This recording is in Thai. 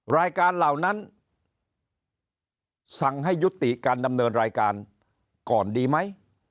เหล่านั้นสั่งให้ยุติการดำเนินรายการก่อนดีไหม